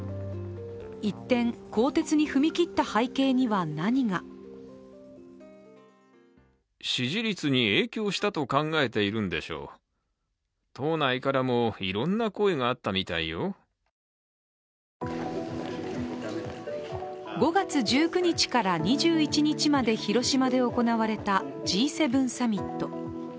一転、更迭に踏み切った背景には何が５月１９日から２１日まで広島で行われたＧ７サミット。